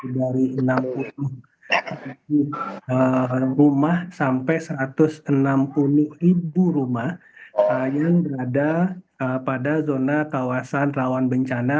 dari enam puluh rumah sampai satu ratus enam puluh ribu rumah yang berada pada zona kawasan rawan bencana